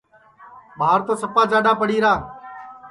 ٻار تو سپا جاڈؔا پڑی را